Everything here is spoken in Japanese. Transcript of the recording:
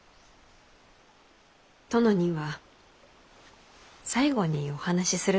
殿には最後にお話しするつもりでした。